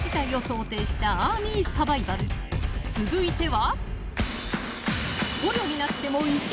［続いては］